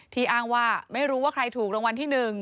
อ้างว่าไม่รู้ว่าใครถูกรางวัลที่๑